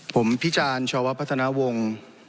ผมพี่จานชาวะพัฒนาวง